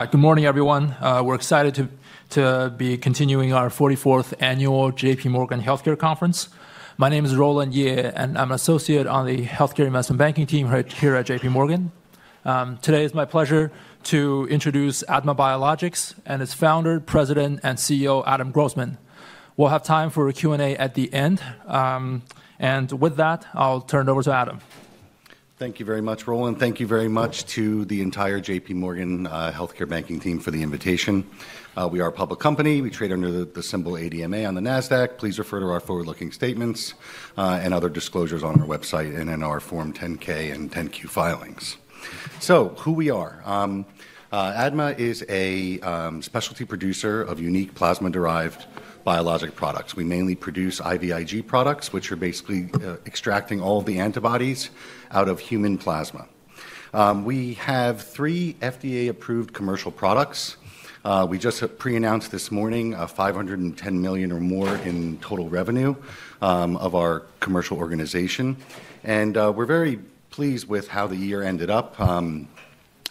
Good morning, everyone. We're excited to be continuing our 44th annual JPMorgan healthcare conference. My name is Roland Ye, and I'm an associate on the Healthcare Investment Banking team here at JPMorgan. Today it's my pleasure to introduce ADMA Biologics and its Founder, President, and CEO, Adam Grossman. We'll have time for a Q&A at the end. And with that, I'll turn it over to Adam. Thank you very much, Roland. Thank you very much to the entire JPMorgan Healthcare Banking team for the invitation. We are a public company. We trade under the symbol ADMA on the Nasdaq. Please refer to our forward-looking statements and other disclosures on our website and in our Form 10-K and 10-Q filings. So who we are? ADMA is a specialty producer of unique plasma-derived biologics. We mainly produce IVIG products, which are basically extracting all of the antibodies out of human plasma. We have three FDA-approved commercial products. We just pre-announced this morning $510 million or more in total revenue of our commercial organization. And we're very pleased with how the year ended up.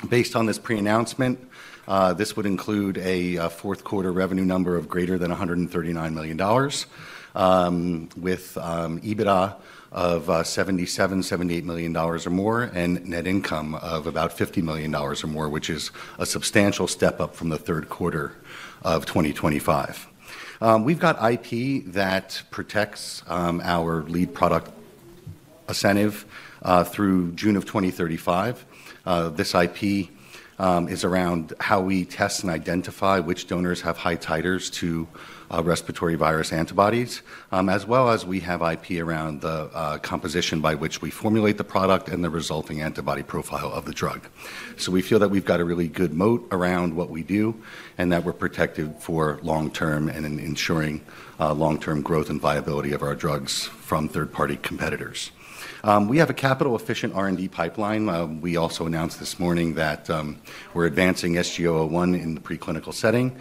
Based on this pre-announcement, this would include a fourth quarter revenue number of greater than $139 million, with EBITDA of $77 million-$78 million or more, and net income of about $50 million or more, which is a substantial step up from the third quarter of 2025. We've got IP that protects our lead product ASCENIV through June of 2035. This IP is around how we test and identify which donors have high titers to respiratory virus antibodies, as well as we have IP around the composition by which we formulate the product and the resulting antibody profile of the drug. So we feel that we've got a really good moat around what we do and that we're protected for long term and ensuring long-term growth and viability of our drugs from third-party competitors. We have a capital-efficient R&D pipeline. We also announced this morning that we're advancing SG01 in the preclinical setting.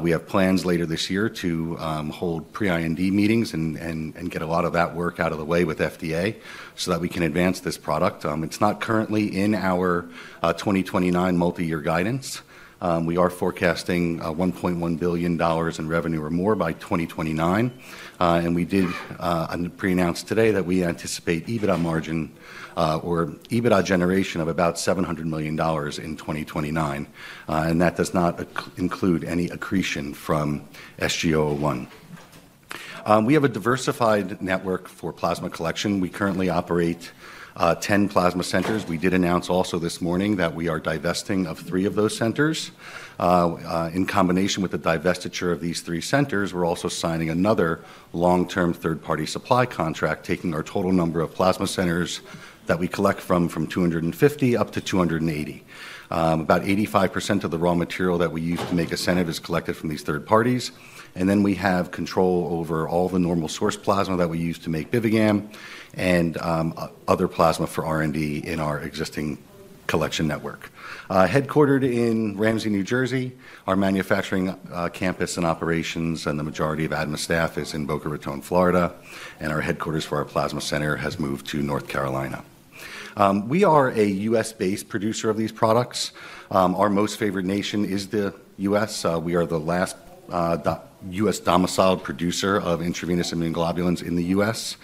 We have plans later this year to hold pre-IND meetings and get a lot of that work out of the way with FDA so that we can advance this product. It's not currently in our 2029 multi-year guidance. We are forecasting $1.1 billion in revenue or more by 2029. We did pre-announce today that we anticipate EBITDA margin or EBITDA generation of about $700 million in 2029. That does not include any accretion from SG01. We have a diversified network for plasma collection. We currently operate 10 plasma centers. We did announce also this morning that we are divesting of three of those centers. In combination with the divestiture of these three centers, we're also signing another long-term third-party supply contract, taking our total number of plasma centers that we collect from 250 up to 280. About 85% of the raw material that we use to make ASCENIV is collected from these third parties. Then we have control over all the normal source plasma that we use to make BIVIGAM and other plasma for R&D in our existing collection network. Headquartered in Ramsey, New Jersey, our manufacturing campus and operations and the majority of ADMA staff is in Boca Raton, Florida, and our headquarters for our plasma center has moved to North Carolina. We are a U.S.-based producer of these products. Our Most Favored Nation is the U.S. We are the last U.S. domiciled producer of intravenous immune globulins in the U.S.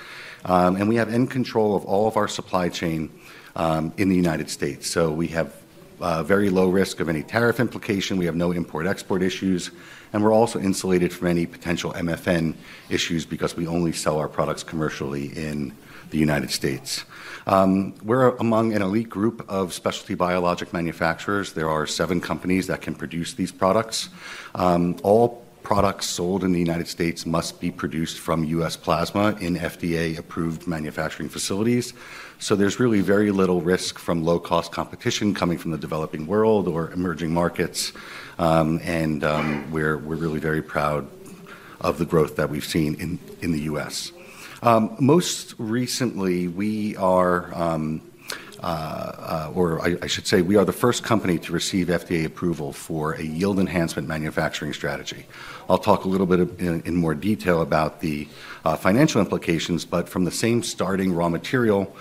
We have end-to-end control of all of our supply chain in the United States. So we have very low risk of any tariff implication. We have no import-export issues. And we're also insulated from any potential MFN issues because we only sell our products commercially in the United States. We're among an elite group of specialty biologic manufacturers. There are seven companies that can produce these products. All products sold in the United States must be produced from U.S. plasma in FDA-approved manufacturing facilities. So there's really very little risk from low-cost competition coming from the developing world or emerging markets. And we're really very proud of the growth that we've seen in the U.S. Most recently, we are, or I should say, we are the first company to receive FDA approval for a yield enhancement manufacturing strategy. I'll talk a little bit in more detail about the financial implications, but from the same starting raw material,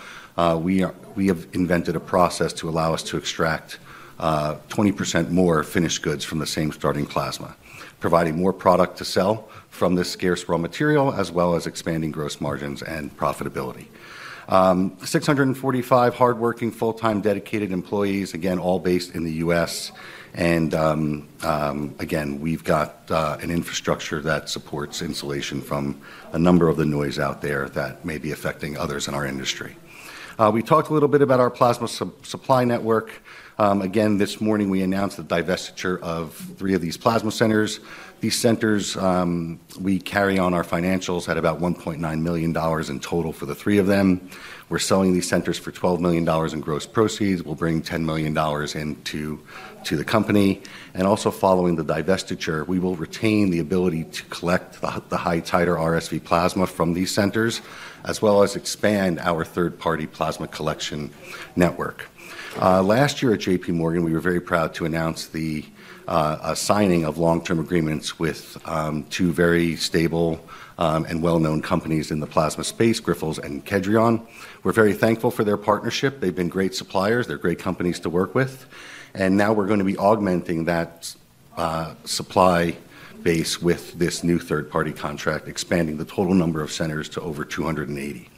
we have invented a process to allow us to extract 20% more finished goods from the same starting plasma, providing more product to sell from this scarce raw material, as well as expanding gross margins and profitability. 645 hardworking full-time dedicated employees, again, all based in the U.S., and again, we've got an infrastructure that supports insulation from a number of the noise out there that may be affecting others in our industry. We talked a little bit about our plasma supply network. Again, this morning, we announced the divestiture of three of these plasma centers. These centers, we carry on our financials at about $1.9 million in total for the three of them. We're selling these centers for $12 million in gross proceeds. We'll bring $10 million into the company. And also following the divestiture, we will retain the ability to collect the high titer RSV plasma from these centers, as well as expand our third-party plasma collection network. Last year at JPMorgan, we were very proud to announce the signing of long-term agreements with two very stable and well-known companies in the plasma space, Grifols and Kedrion. We're very thankful for their partnership. They've been great suppliers. They're great companies to work with. And now we're going to be augmenting that supply base with this new third-party contract, expanding the total number of centers to over 280.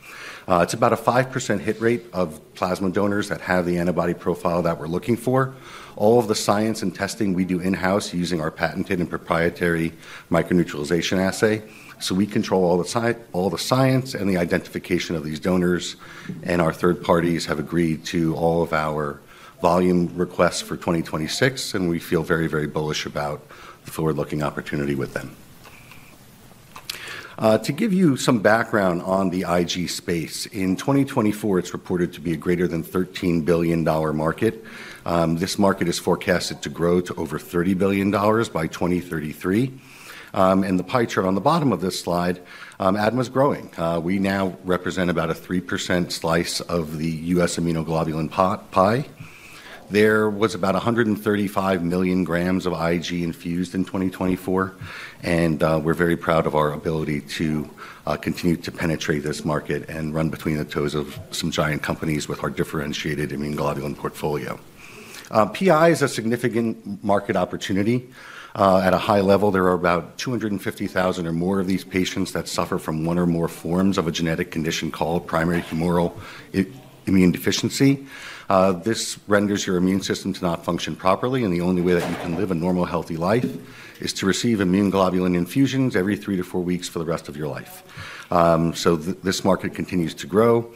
It's about a 5% hit rate of plasma donors that have the antibody profile that we're looking for. All of the science and testing we do in-house using our patented and proprietary microneutralization assay. So we control all the science and the identification of these donors. Our third parties have agreed to all of our volume requests for 2026. And we feel very, very bullish about the forward-looking opportunity with them. To give you some background on the IG space, in 2024, it's reported to be a greater than $13 billion market. This market is forecasted to grow to over $30 billion by 2033. And the pie chart on the bottom of this slide, ADMA is growing. We now represent about a 3% slice of the U.S. immunoglobulin pie. There was about 135 million g of IG infused in 2024. And we're very proud of our ability to continue to penetrate this market and run between the toes of some giant companies with our differentiated immune globulin portfolio. PI is a significant market opportunity. At a high level, there are about 250,000 or more of these patients that suffer from one or more forms of a genetic condition called primary humoral immunodeficiency. This renders your immune system to not function properly. And the only way that you can live a normal, healthy life is to receive immune globulin infusions every three to four weeks for the rest of your life. So this market continues to grow.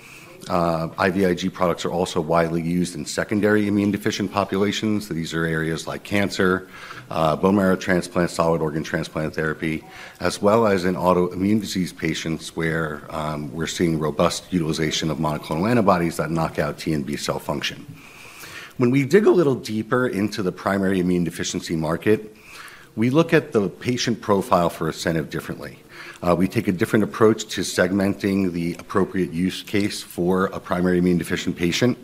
IVIG products are also widely used in secondary immune deficient populations. These are areas like cancer, bone marrow transplant, solid organ transplant therapy, as well as in autoimmune disease patients where we're seeing robust utilization of monoclonal antibodies that knock out T and B cell function. When we dig a little deeper into the primary immune deficiency market, we look at the patient profile for ASCENIV differently. We take a different approach to segmenting the appropriate use case for a primary immune deficient patient.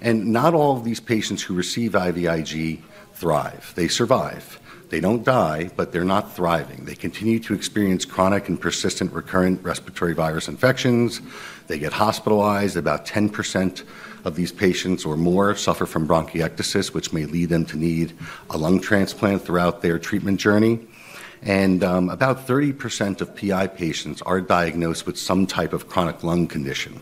And not all of these patients who receive IVIG thrive. They survive. They don't die, but they're not thriving. They continue to experience chronic and persistent recurrent respiratory virus infections. They get hospitalized. About 10% of these patients or more suffer from bronchiectasis, which may lead them to need a lung transplant throughout their treatment journey. And about 30% of PI patients are diagnosed with some type of chronic lung condition.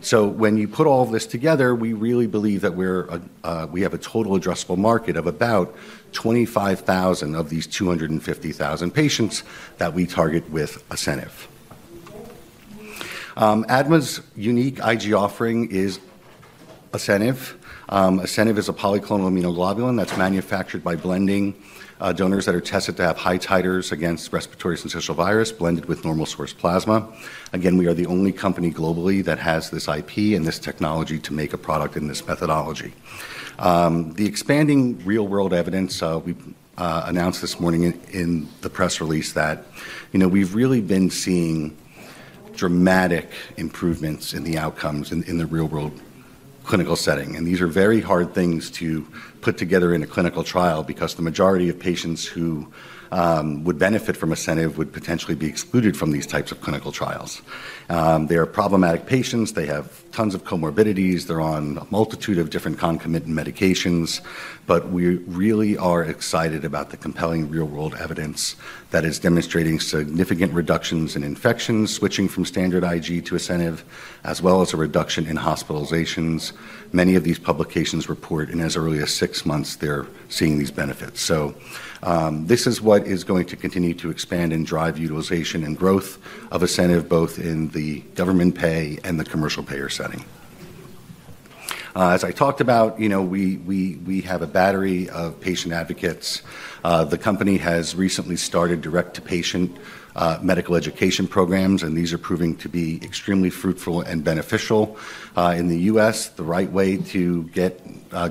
So when you put all of this together, we really believe that we have a total addressable market of about 25,000 of these 250,000 patients that we target with ASCENIV. ADMA's unique IG offering is ASCENIV. ASCENIV is a polyclonal immunoglobulin that's manufactured by blending donors that are tested to have high titers against respiratory syncytial virus blended with normal source plasma. Again, we are the only company globally that has this IP and this technology to make a product in this methodology. The expanding real-world evidence, we announced this morning in the press release that we've really been seeing dramatic improvements in the outcomes in the real-world clinical setting. And these are very hard things to put together in a clinical trial because the majority of patients who would benefit from ASCENIV would potentially be excluded from these types of clinical trials. They are problematic patients. They have tons of comorbidities. They're on a multitude of different concomitant medications. But we really are excited about the compelling real-world evidence that is demonstrating significant reductions in infections switching from standard IG to ASCENIV, as well as a reduction in hospitalizations. Many of these publications report, in as early as six months, they're seeing these benefits. This is what is going to continue to expand and drive utilization and growth of ASCENIV, both in the government pay and the commercial payer setting. As I talked about, we have a battery of patient advocates. The company has recently started direct-to-patient medical education programs. These are proving to be extremely fruitful and beneficial in the U.S. The right way to get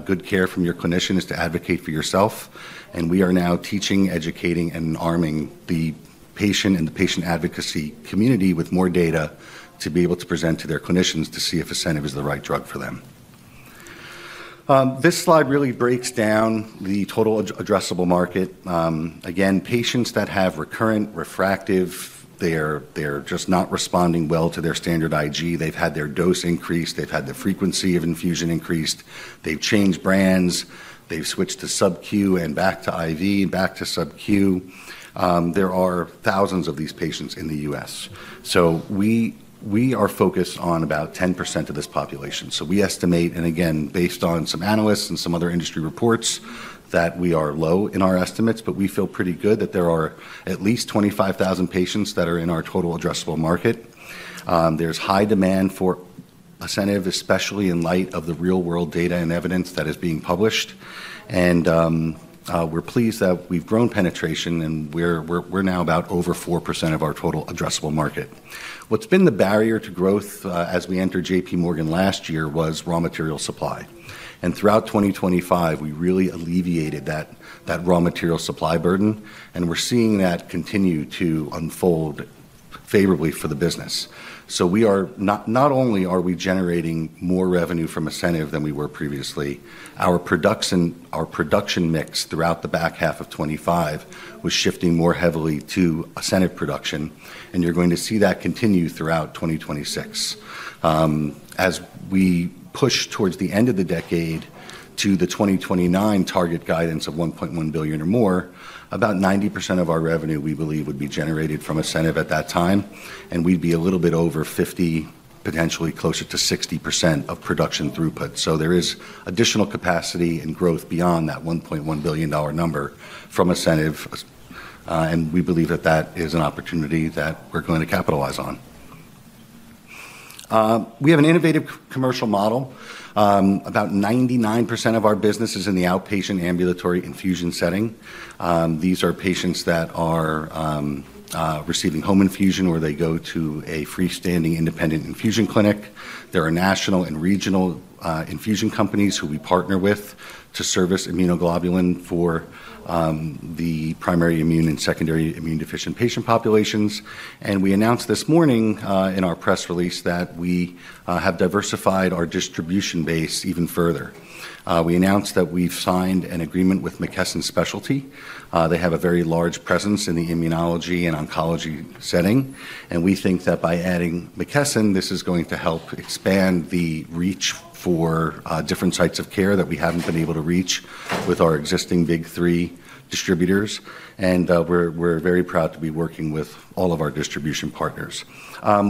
good care from your clinician is to advocate for yourself. We are now teaching, educating, and arming the patient and the patient advocacy community with more data to be able to present to their clinicians to see if ASCENIV is the right drug for them. This slide really breaks down the total addressable market. Again, patients that have recurrent refractory, they're just not responding well to their standard IG. They've had their dose increased. They've had the frequency of infusion increased. They've changed brands. They've switched to subQ and back to IV and back to subQ. There are thousands of these patients in the U.S. So we are focused on about 10% of this population. So we estimate, and again, based on some analysts and some other industry reports, that we are low in our estimates. But we feel pretty good that there are at least 25,000 patients that are in our total addressable market. There's high demand for ASCENIV, especially in light of the real-world data and evidence that is being published. And we're pleased that we've grown penetration. And we're now about over 4% of our total addressable market. What's been the barrier to growth as we entered JPMorgan last year was raw material supply. And throughout 2025, we really alleviated that raw material supply burden. And we're seeing that continue to unfold favorably for the business. So not only are we generating more revenue from ASCENIV than we were previously, our production mix throughout the back half of 2025 was shifting more heavily to ASCENIV production. And you're going to see that continue throughout 2026. As we push towards the end of the decade to the 2029 target guidance of $1.1 billion or more, about 90% of our revenue, we believe, would be generated from ASCENIV at that time. And we'd be a little bit over 50%, potentially closer to 60% of production throughput. So there is additional capacity and growth beyond that $1.1 billion number from ASCENIV. And we believe that that is an opportunity that we're going to capitalize on. We have an innovative commercial model. About 99% of our business is in the outpatient ambulatory infusion setting. These are patients that are receiving home infusion or they go to a freestanding independent infusion clinic. There are national and regional infusion companies who we partner with to service immunoglobulin for the primary immune and secondary immune deficient patient populations. And we announced this morning in our press release that we have diversified our distribution base even further. We announced that we've signed an agreement with McKesson Specialty. They have a very large presence in the immunology and oncology setting. And we think that by adding McKesson, this is going to help expand the reach for different sites of care that we haven't been able to reach with our existing big three distributors. And we're very proud to be working with all of our distribution partners.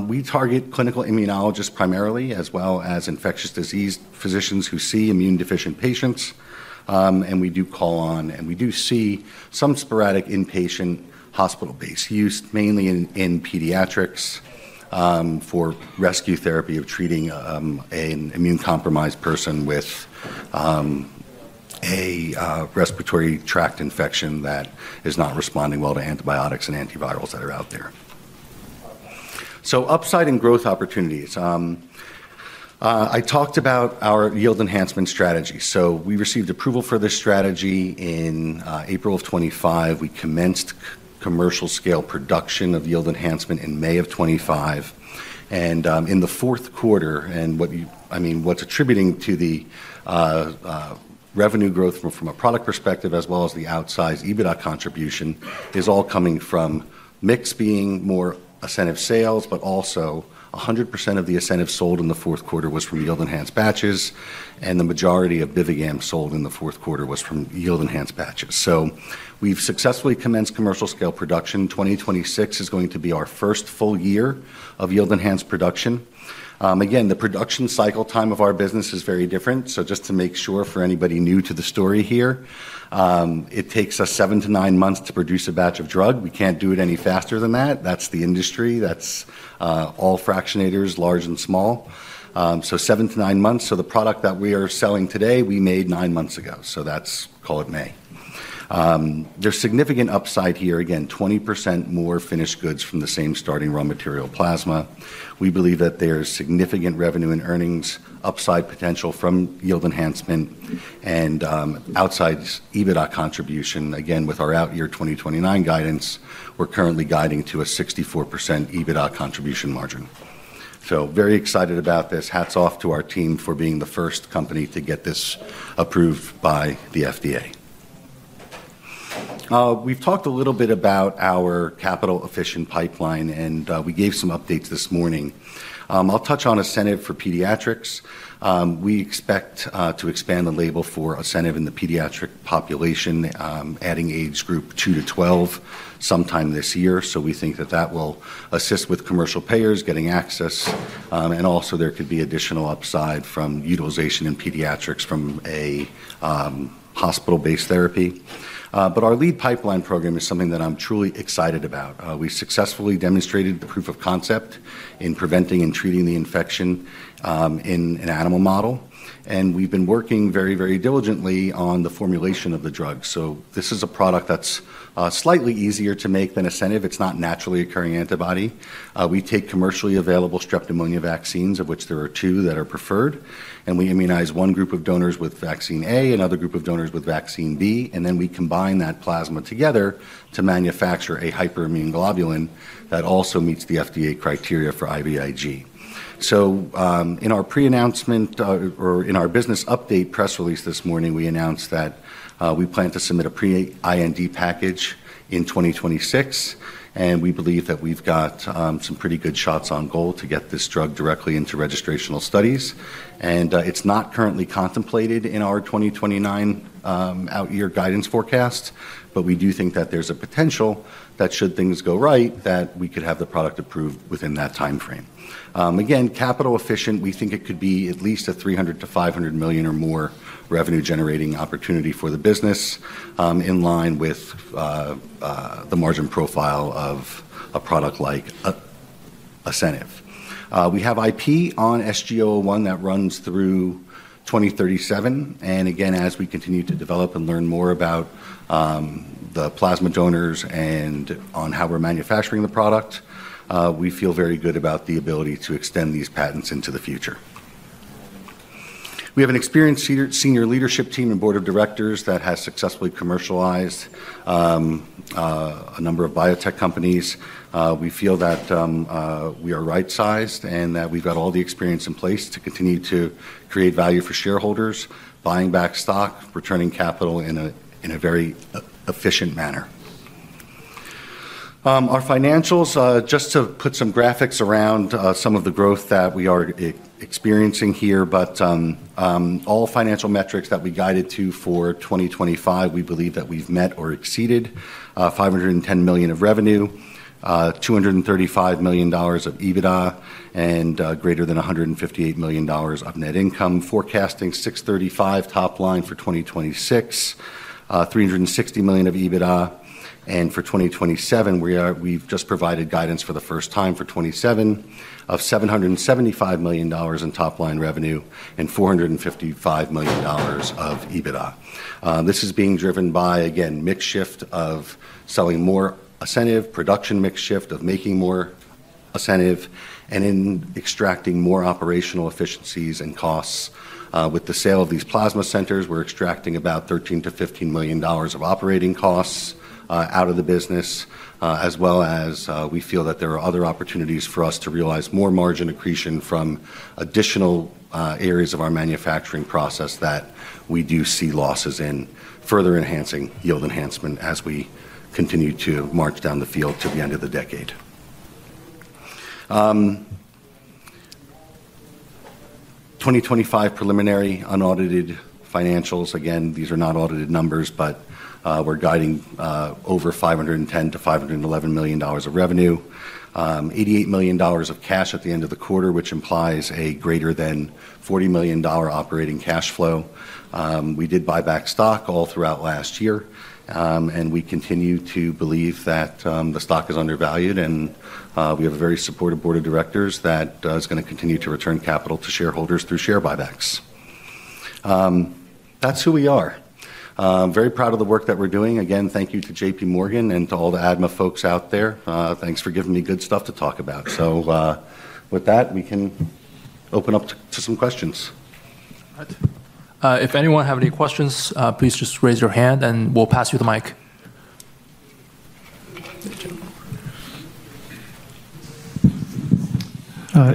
We target clinical immunologists primarily, as well as infectious disease physicians who see immune deficient patients. We do call on, and we do see some sporadic inpatient hospital-based use, mainly in pediatrics, for rescue therapy of treating an immune-compromised person with a respiratory tract infection that is not responding well to antibiotics and antivirals that are out there. Upside and growth opportunities. I talked about our yield enhancement strategy. We received approval for this strategy in April of 2025. We commenced commercial-scale production of yield enhancement in May of 2025. In the fourth quarter, and I mean, what's attributing to the revenue growth from a product perspective, as well as the outsized EBITDA contribution, is all coming from mix being more ASCENIV sales, but also 100% of the ASCENIV sold in the fourth quarter was from yield-enhanced batches. The majority of BIVIGAM sold in the fourth quarter was from yield-enhanced batches. We've successfully commenced commercial-scale production. 2026 is going to be our first full year of yield-enhanced production. Again, the production cycle time of our business is very different. So just to make sure for anybody new to the story here, it takes us seven to nine months to produce a batch of drug. We can't do it any faster than that. That's the industry. That's all fractionators, large and small. So seven to nine months. So the product that we are selling today, we made nine months ago. So that's, call it, May. There's significant upside here. Again, 20% more finished goods from the same starting raw material plasma. We believe that there's significant revenue and earnings upside potential from yield enhancement and outsized EBITDA contribution. Again, with our out-year 2029 guidance, we're currently guiding to a 64% EBITDA contribution margin. So very excited about this. Hats off to our team for being the first company to get this approved by the FDA. We've talked a little bit about our capital-efficient pipeline, and we gave some updates this morning. I'll touch on ASCENIV for pediatrics. We expect to expand the label for ASCENIV in the pediatric population, adding age group two to 12 sometime this year. We think that that will assist with commercial payers getting access, and also, there could be additional upside from utilization in pediatrics from a hospital-based therapy. Our lead pipeline program is something that I'm truly excited about. We successfully demonstrated the proof of concept in preventing and treating the infection in an animal model, and we've been working very, very diligently on the formulation of the drug. This is a product that's slightly easier to make than ASCENIV. It's not naturally occurring antibody. We take commercially available strep pneumonia vaccines, of which there are two that are preferred, and we immunize one group of donors with vaccine A, another group of donors with vaccine B, and then we combine that plasma together to manufacture a hyperimmunoglobulin that also meets the FDA criteria for IVIG, so in our pre-announcement or in our business update press release this morning, we announced that we plan to submit a pre-IND package in 2026, and we believe that we've got some pretty good shots on goal to get this drug directly into registrational studies, and it's not currently contemplated in our 2029 out-year guidance forecast, but we do think that there's a potential that should things go right, that we could have the product approved within that timeframe. Again, capital-efficient, we think it could be at least a $300 million-$500 million or more revenue-generating opportunity for the business in line with the margin profile of a product like ASCENIV. We have IP on SG01 that runs through 2037. And again, as we continue to develop and learn more about the plasma donors and on how we're manufacturing the product, we feel very good about the ability to extend these patents into the future. We have an experienced senior leadership team and board of directors that has successfully commercialized a number of biotech companies. We feel that we are right-sized and that we've got all the experience in place to continue to create value for shareholders, buying back stock, returning capital in a very efficient manner. Our financials, just to put some graphics around some of the growth that we are experiencing here. But all financial metrics that we guided to for 2025, we believe that we've met or exceeded $510 million of revenue, $235 million of EBITDA, and greater than $158 million of net income, forecasting $635 million top line for 2026, $360 million of EBITDA. And for 2027, we've just provided guidance for the first time for 2027 of $775 million in top line revenue and $455 million of EBITDA. This is being driven by, again, mix shift of selling more ASCENIV, production mix shift of making more ASCENIV, and in extracting more operational efficiencies and costs. With the sale of these plasma centers, we're extracting about $13 million-$15 million of operating costs out of the business, as well as we feel that there are other opportunities for us to realize more margin accretion from additional areas of our manufacturing process that we do see losses in further enhancing yield enhancement as we continue to march down the field to the end of the decade. 2025 preliminary unaudited financials. Again, these are not audited numbers, but we're guiding over $510 million-$511 million of revenue, $88 million of cash at the end of the quarter, which implies a greater than $40 million operating cash flow. We did buy back stock all throughout last year. We continue to believe that the stock is undervalued. We have a very supportive Board of Directors that is going to continue to return capital to shareholders through share buybacks. That's who we are. Very proud of the work that we're doing. Again, thank you to JPMorgan and to all the ADMA folks out there. Thanks for giving me good stuff to talk about. So with that, we can open up to some questions. If anyone have any questions, please just raise your hand, and we'll pass you the mic.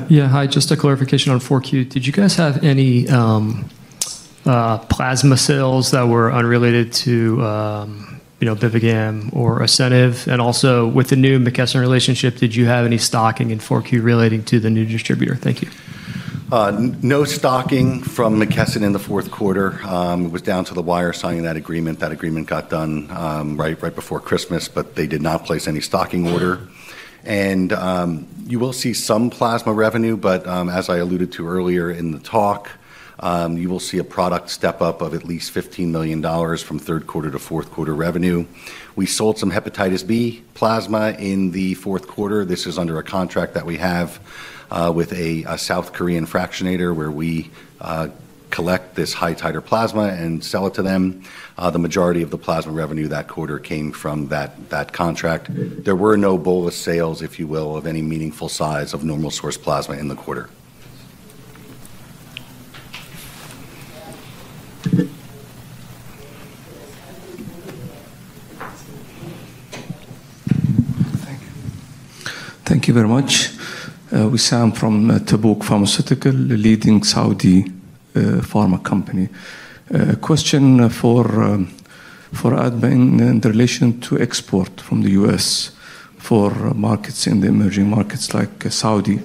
Yeah, hi. Just a clarification on 4Q. Did you guys have any plasma sales that were unrelated to BIVIGAM or ASCENIV? And also, with the new McKesson relationship, did you have any stocking in 4Q relating to the new distributor? Thank you. No stocking from McKesson in the fourth quarter. It was down to the wire signing that agreement. That agreement got done right before Christmas, but they did not place any stocking order. And you will see some plasma revenue. But as I alluded to earlier in the talk, you will see a product step up of at least $15 million from third quarter to fourth quarter revenue. We sold some hepatitis B plasma in the fourth quarter. This is under a contract that we have with a South Korean fractionator where we collect this high-titer plasma and sell it to them. The majority of the plasma revenue that quarter came from that contract. There were no bolus sales, if you will, of any meaningful size of normal source plasma in the quarter. Thank you very much. Wissam from Tabuk Pharmaceuticals, a leading Saudi pharma company. Question for ADMA in relation to export from the U.S. for markets in the emerging markets like Saudi.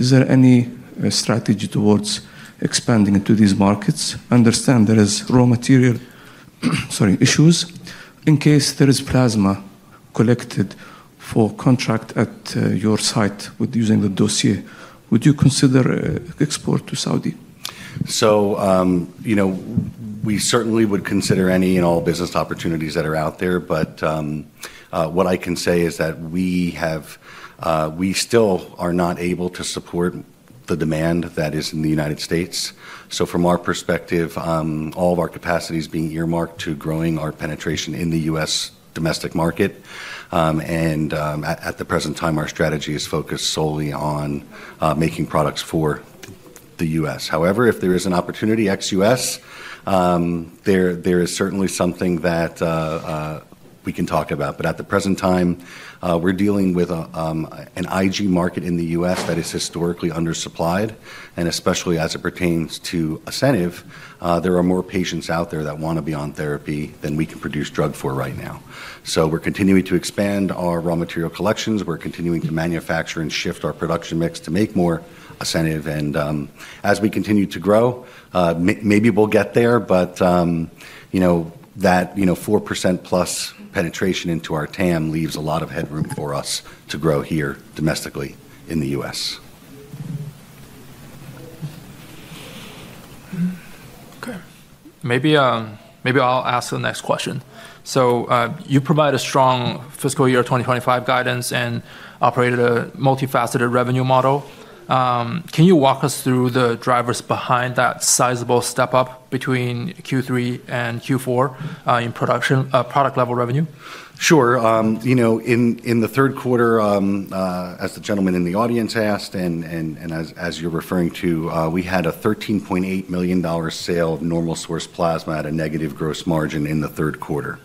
Is there any strategy towards expanding into these markets? I understand there is raw material issues. In case there is plasma collected for contract at your site using the dossier, would you consider export to Saudi? So we certainly would consider any and all business opportunities that are out there. But what I can say is that we still are not able to support the demand that is in the United States. So from our perspective, all of our capacities being earmarked to growing our penetration in the U.S. domestic market. And at the present time, our strategy is focused solely on making products for the U.S. However, if there is an opportunity ex-U.S., there is certainly something that we can talk about. But at the present time, we're dealing with an IG market in the U.S. that is historically undersupplied. And especially as it pertains to ASCENIV, there are more patients out there that want to be on therapy than we can produce drug for right now. So we're continuing to expand our raw material collections. We're continuing to manufacture and shift our production mix to make more ASCENIV. And as we continue to grow, maybe we'll get there. But that 4% plus penetration into our TAM leaves a lot of headroom for us to grow here domestically in the U.S. Okay. Maybe I'll ask the next question. So you provide a strong fiscal year 2025 guidance and operated a multifaceted revenue model. Can you walk us through the drivers behind that sizable step up between Q3 and Q4 in product-level revenue? Sure. In the third quarter, as the gentleman in the audience asked and as you're referring to, we had a $13.8 million sale of normal source plasma at a negative gross margin in the third quarter.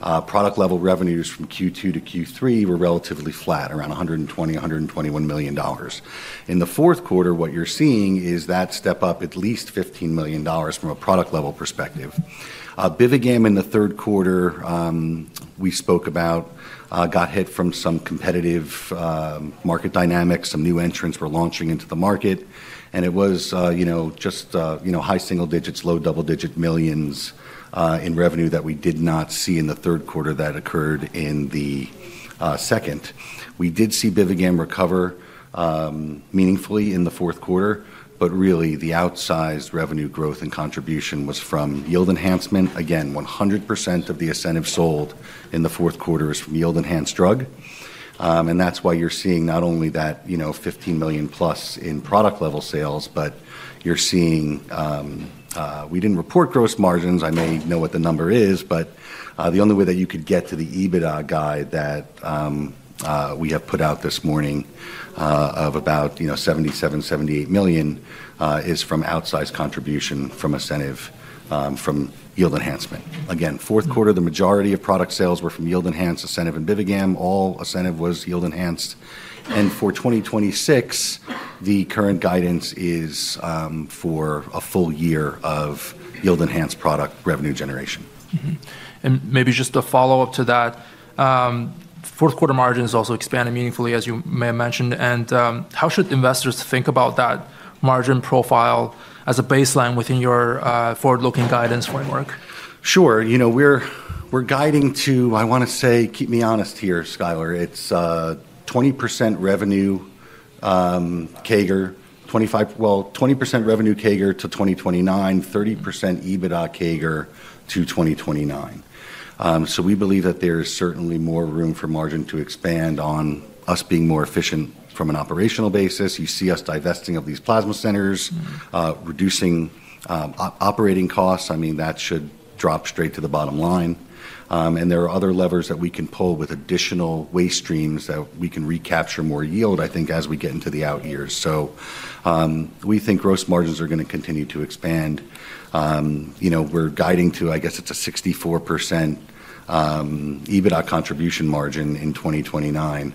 Product-level revenues from Q2-Q3 were relatively flat, around $120 million-$121 million. In the fourth quarter, what you're seeing is that step up at least $15 million from a product-level perspective. BIVIGAM in the third quarter, we spoke about, got hit from some competitive market dynamics, some new entrants were launching into the market. And it was just high single digits, low double-digit millions in revenue that we did not see in the third quarter that occurred in the second. We did see BIVIGAM recover meaningfully in the fourth quarter. But really, the outsized revenue growth and contribution was from yield enhancement. Again, 100% of the ASCENIV sold in the fourth quarter is from yield-enhanced drug, and that's why you're seeing not only that $15 million plus in product-level sales, but you're seeing we didn't report gross margins. I may know what the number is. The only way that you could get to the EBITDA guide that we have put out this morning of about $77 million-$78 million is from outsized contribution from ASCENIV from yield enhancement. Again, fourth quarter, the majority of product sales were from yield-enhanced ASCENIV and BIVIGAM. All ASCENIV was yield-enhanced, and for 2026, the current guidance is for a full year of yield-enhanced product revenue generation. And maybe just a follow-up to that, fourth quarter margins also expanded meaningfully, as you may have mentioned. And how should investors think about that margin profile as a baseline within your forward-looking guidance framework? Sure. We're guiding to, I want to say, keep me honest here, Skyler. It's 20% revenue CAGR, well, 20% revenue CAGR to 2029, 30% EBITDA CAGR to 2029. So we believe that there is certainly more room for margin to expand on us being more efficient from an operational basis. You see us divesting of these plasma centers, reducing operating costs. I mean, that should drop straight to the bottom line. And there are other levers that we can pull with additional waste streams that we can recapture more yield, I think, as we get into the out years. So we think gross margins are going to continue to expand. We're guiding to, I guess it's a 64% EBITDA contribution margin in 2029.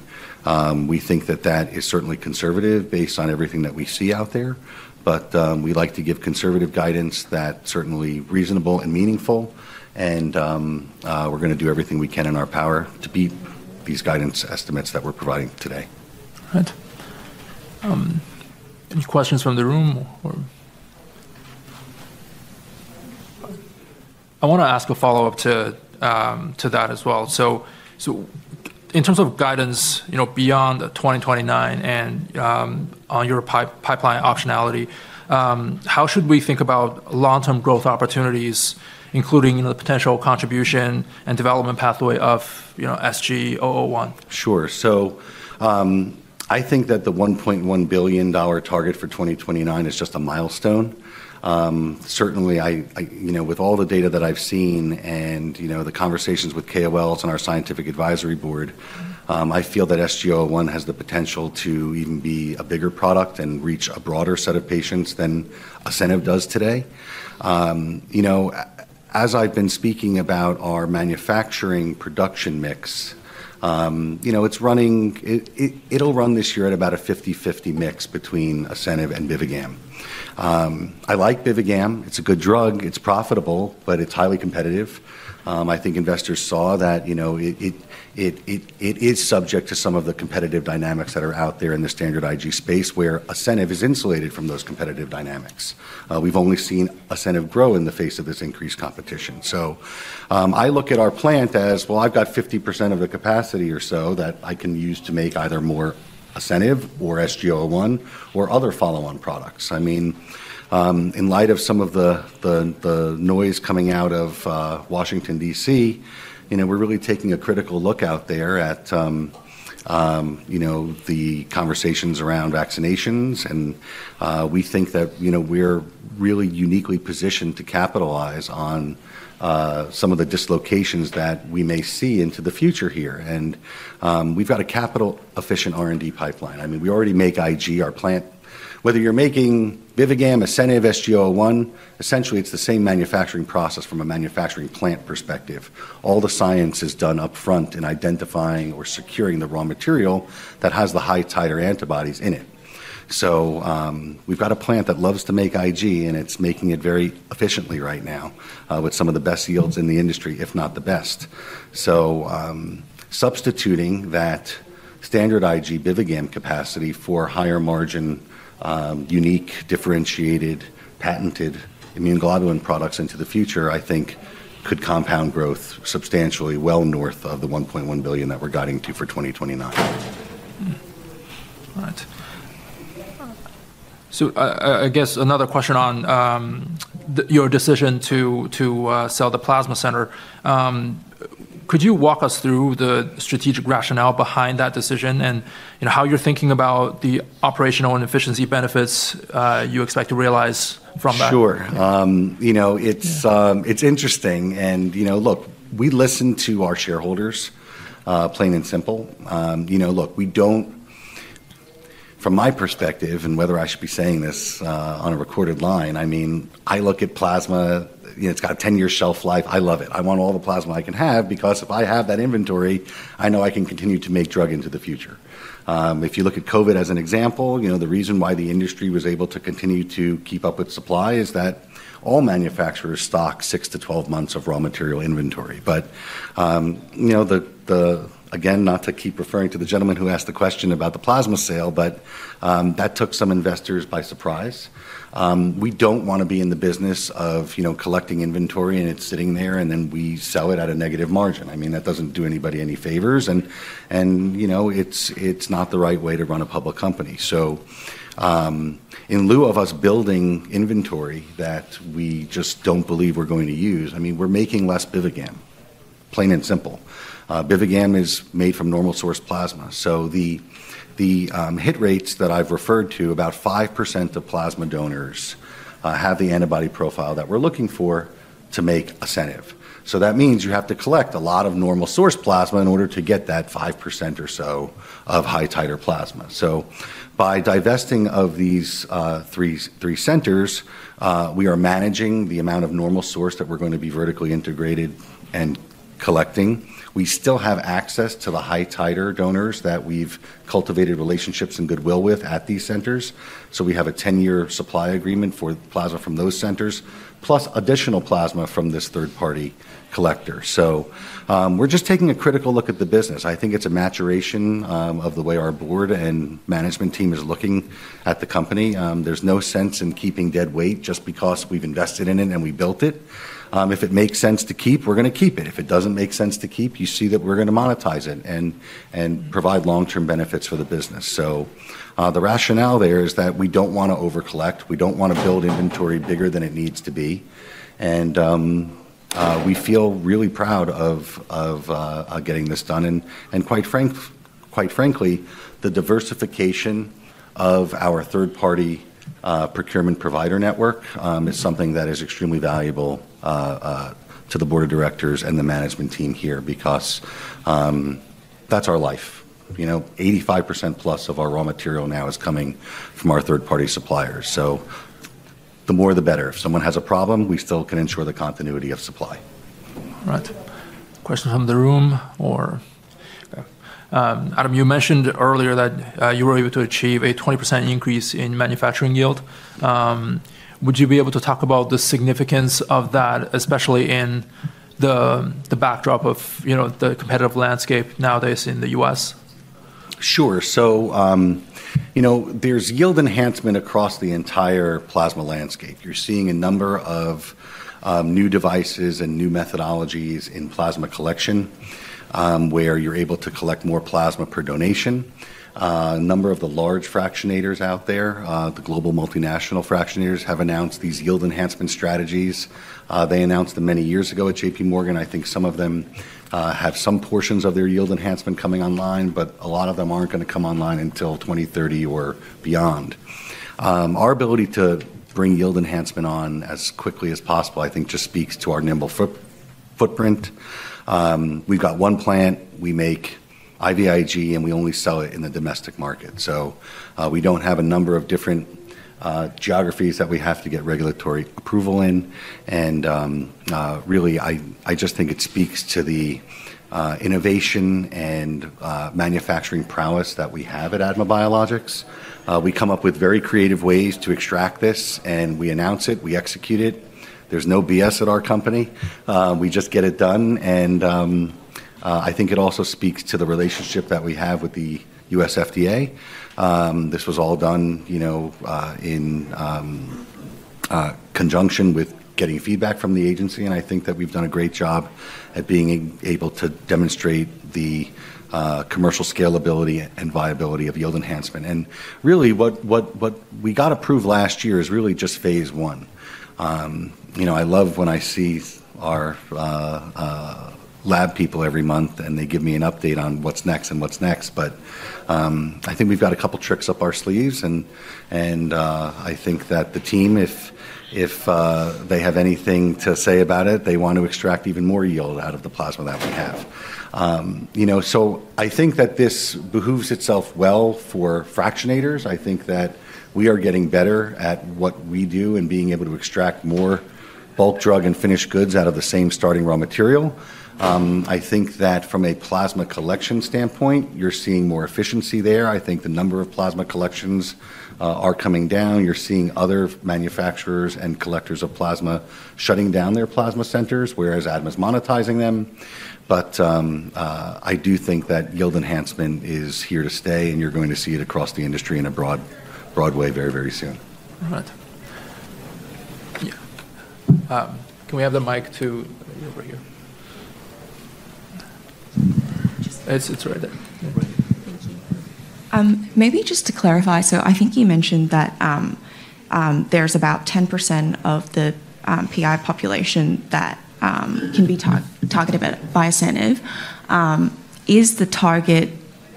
We think that that is certainly conservative based on everything that we see out there. But we'd like to give conservative guidance that's certainly reasonable and meaningful. We're going to do everything we can in our power to beat these guidance estimates that we're providing today. All right. Any questions from the room? I want to ask a follow-up to that as well. So in terms of guidance beyond 2029 and on your pipeline optionality, how should we think about long-term growth opportunities, including the potential contribution and development pathway of SG01? Sure. So I think that the $1.1 billion target for 2029 is just a milestone. Certainly, with all the data that I've seen and the conversations with KOLs and our Scientific Advisory board, I feel that SG01 has the potential to even be a bigger product and reach a broader set of patients than ASCENIV does today. As I've been speaking about our manufacturing production mix, it'll run this year at about a 50/50 mix between ASCENIV and BIVIGAM. I like BIVIGAM. It's a good drug. It's profitable, but it's highly competitive. I think investors saw that it is subject to some of the competitive dynamics that are out there in the standard IG space where ASCENIV is insulated from those competitive dynamics. We've only seen ASCENIV grow in the face of this increased competition. I look at our plant as, well, I've got 50% of the capacity or so that I can use to make either more ASCENIV or SG01 or other follow-on products. I mean, in light of some of the noise coming out of Washington, D.C., we're really taking a critical look out there at the conversations around vaccinations. We think that we're really uniquely positioned to capitalize on some of the dislocations that we may see into the future here. We've got a capital-efficient R&D pipeline. I mean, we already make IG. Whether you're making BIVIGAM, ASCENIV, SG01, essentially, it's the same manufacturing process from a manufacturing plant perspective. All the science is done upfront in identifying or securing the raw material that has the high-titer antibodies in it. So we've got a plant that loves to make IG, and it's making it very efficiently right now with some of the best yields in the industry, if not the best. So substituting that standard IG BIVIGAM capacity for higher margin, unique, differentiated, patented immune globulin products into the future, I think, could compound growth substantially well north of the $1.1 billion that we're guiding to for 2029. All right. So I guess another question on your decision to sell the plasma center. Could you walk us through the strategic rationale behind that decision and how you're thinking about the operational and efficiency benefits you expect to realize from that? Sure. It's interesting, and look, we listen to our shareholders, plain and simple. Look, from my perspective, and whether I should be saying this on a recorded line, I mean, I look at plasma. It's got a 10-year shelf life. I love it. I want all the plasma I can have because if I have that inventory, I know I can continue to make drug into the future. If you look at COVID as an example, the reason why the industry was able to continue to keep up with supply is that all manufacturers stock 6-12 months of raw material inventory, but again, not to keep referring to the gentleman who asked the question about the plasma sale, but that took some investors by surprise. We don't want to be in the business of collecting inventory and it's sitting there, and then we sell it at a negative margin. I mean, that doesn't do anybody any favors, and it's not the right way to run a public company, so in lieu of us building inventory that we just don't believe we're going to use, I mean, we're making less BIVIGAM, plain and simple, BIVIGAM is made from normal source plasma, so the hit rates that I've referred to, about 5% of plasma donors have the antibody profile that we're looking for to make ASCENIV. So that means you have to collect a lot of normal source plasma in order to get that 5% or so of high-titer plasma, so by divesting of these three centers, we are managing the amount of normal source that we're going to be vertically integrated and collecting. We still have access to the high-titer donors that we've cultivated relationships and goodwill with at these centers. So we have a 10-year supply agreement for plasma from those centers, plus additional plasma from this third-party collector. So we're just taking a critical look at the business. I think it's a maturation of the way our board and management team is looking at the company. There's no sense in keeping dead weight just because we've invested in it and we built it. If it makes sense to keep, we're going to keep it. If it doesn't make sense to keep, you see that we're going to monetize it and provide long-term benefits for the business. So the rationale there is that we don't want to overcollect. We don't want to build inventory bigger than it needs to be. And we feel really proud of getting this done. And quite frankly, the diversification of our third-party procurement provider network is something that is extremely valuable to the board of directors and the management team here because that's our life. 85% plus of our raw material now is coming from our third-party suppliers. So the more, the better. If someone has a problem, we still can ensure the continuity of supply. All right. Question from the room or? Adam, you mentioned earlier that you were able to achieve a 20% increase in manufacturing yield. Would you be able to talk about the significance of that, especially in the backdrop of the competitive landscape nowadays in the U.S.? Sure. So there's yield enhancement across the entire plasma landscape. You're seeing a number of new devices and new methodologies in plasma collection where you're able to collect more plasma per donation. A number of the large fractionators out there, the global multinational fractionators, have announced these yield enhancement strategies. They announced them many years ago at JPMorgan. I think some of them have some portions of their yield enhancement coming online, but a lot of them aren't going to come online until 2030 or beyond. Our ability to bring yield enhancement on as quickly as possible, I think, just speaks to our nimble footprint. We've got one plant. We make IVIG, and we only sell it in the domestic market. So we don't have a number of different geographies that we have to get regulatory approval in. Really, I just think it speaks to the innovation and manufacturing prowess that we have at ADMA Biologics. We come up with very creative ways to extract this, and we announce it. We execute it. There's no BS at our company. We just get it done. I think it also speaks to the relationship that we have with the U.S. FDA. This was all done in conjunction with getting feedback from the agency. I think that we've done a great job at being able to demonstrate the commercial scalability and viability of yield enhancement. Really, what we got approved last year is really just phase one. I love when I see our lab people every month, and they give me an update on what's next and what's next. I think we've got a couple of tricks up our sleeves. I think that the team, if they have anything to say about it, they want to extract even more yield out of the plasma that we have. I think that this behooves itself well for fractionators. I think that we are getting better at what we do and being able to extract more bulk drug and finished goods out of the same starting raw material. I think that from a plasma collection standpoint, you're seeing more efficiency there. I think the number of plasma collections are coming down. You're seeing other manufacturers and collectors of plasma shutting down their plasma centers, whereas ADMA's monetizing them. I do think that yield enhancement is here to stay, and you're going to see it across the industry and abroad, broadly very, very soon. All right. Yeah. Can we have the mic over here? It's right there. Maybe just to clarify, so I think you mentioned that there's about 10% of the PI population that can be targeted by ASCENIV. Is the target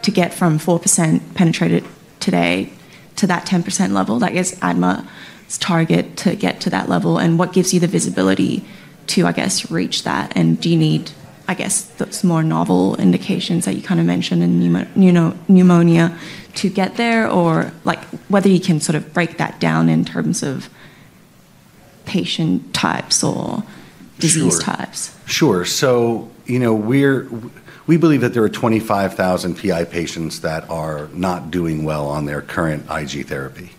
to get from 4% penetration today to that 10% level? That is ADMA's target to get to that level. And what gives you the visibility to, I guess, reach that? And do you need, I guess, those more novel indications that you kind of mentioned in pneumonia to get there or whether you can sort of break that down in terms of patient types or disease types? Sure. So we believe that there are 25,000 PI patients that are not doing well on their current IG therapy.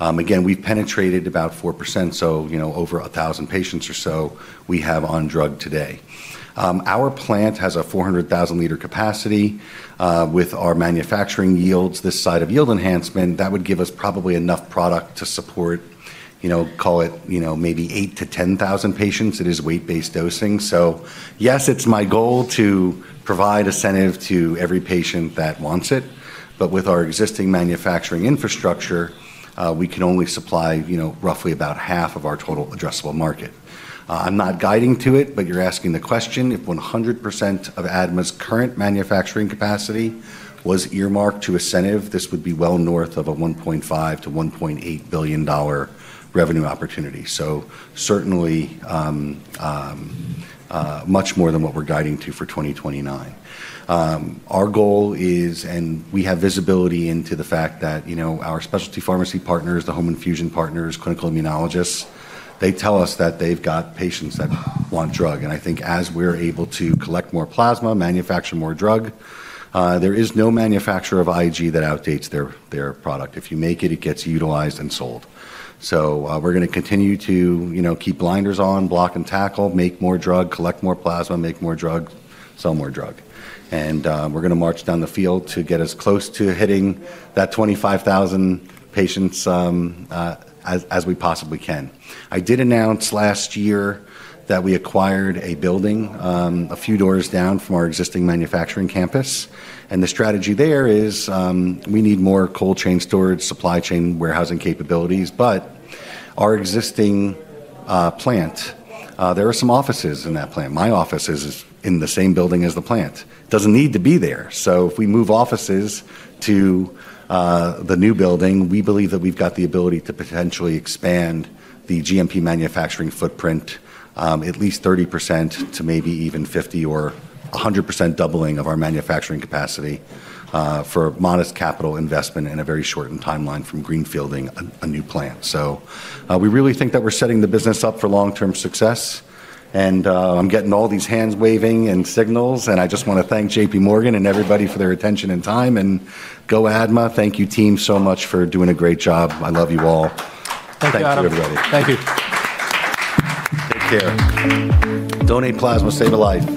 Again, we've penetrated about 4%, so over 1,000 patients or so we have on drug today. Our plant has a 400,000-liter capacity. With our manufacturing yields, this side of yield enhancement, that would give us probably enough product to support, call it maybe 8,000 to 10,000 patients. It is weight-based dosing. So yes, it's my goal to provide ASCENIV to every patient that wants it. But with our existing manufacturing infrastructure, we can only supply roughly about half of our total addressable market. I'm not guiding to it, but you're asking the question. If 100% of ADMA's current manufacturing capacity was earmarked to ASCENIV, this would be well north of a $1.5 billion-$1.8 billion revenue opportunity. So certainly much more than what we're guiding to for 2029. Our goal is, and we have visibility into the fact that our specialty pharmacy partners, the home infusion partners, clinical immunologists, they tell us that they've got patients that want drug. And I think as we're able to collect more plasma, manufacture more drug, there is no manufacturer of IG that outdates their product. If you make it, it gets utilized and sold. So we're going to continue to keep blinders on, block and tackle, make more drug, collect more plasma, make more drug, sell more drug. And we're going to march down the field to get as close to hitting that 25,000 patients as we possibly can. I did announce last year that we acquired a building a few doors down from our existing manufacturing campus. And the strategy there is we need more cold chain storage, supply chain warehousing capabilities. But our existing plant, there are some offices in that plant. My office is in the same building as the plant. It doesn't need to be there. So if we move offices to the new building, we believe that we've got the ability to potentially expand the GMP manufacturing footprint at least 30% to maybe even 50% or 100% doubling of our manufacturing capacity for modest capital investment in a very shortened timeline from greenfielding a new plant. So we really think that we're setting the business up for long-term success. And I'm getting all these hands waving and signals. And I just want to thank JPMorgan and everybody for their attention and time. And go, ADMA. Thank you, team, so much for doing a great job. I love you all. Thank you, Adam. Thank you, everybody. Thank you. Take care. Donate plasma, save a life.